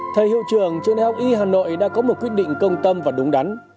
thầy hiệu trưởng trường đại học y hà nội đã có một quyết định công tâm và đúng đắn